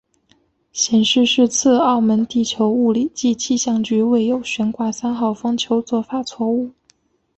显示是次澳门地球物理暨气象局未有悬挂三号风球做法错误。